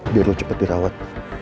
biar lo cepat dirawat